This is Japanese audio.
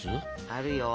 あるよ！